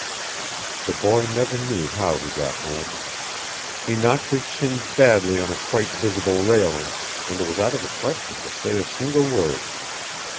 The boy never knew how he got home. He knocked his shins badly on a quite visible railing and it was out of the question to say a single word.